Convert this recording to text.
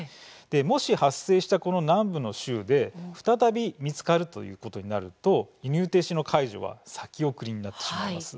もし発生したこの南部の州で再び見つかるということになると輸入停止の解除は先送りになってしまいます。